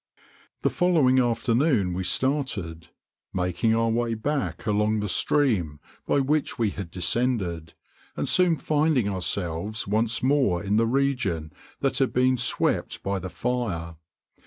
The following afternoon we started, making our way back along the stream by which we had descended, and soon finding ourselves once more in the region that had been swept by the fire.